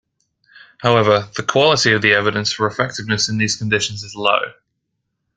However, the quality of the evidence for effectiveness in these conditions is low.